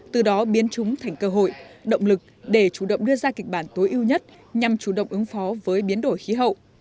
từ đó biến chúng thành cơ hội động lực để chủ động đưa ra kịch bản tối ưu nhất nhằm chủ động ứng phó với biến đổi khí hậu